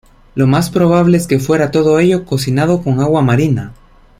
Lo más probable es que fuera todo ello cocinado con agua marina.